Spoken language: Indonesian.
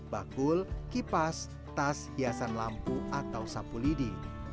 bakul kipas tas hiasan lampu atau sapu lidi